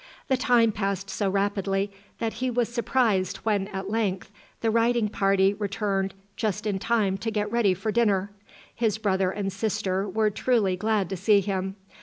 The time passed so rapidly, that he was surprised when at length the riding party returned just in time to get ready for dinner. His brother and sister were truly glad to see him.